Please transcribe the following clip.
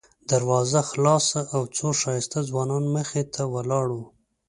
دروازه خلاصه او څو ښایسته ځوانان مخې ته ولاړ وو.